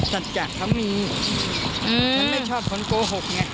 สัจจะเขามีฉันไม่ชอบคนโกหกไง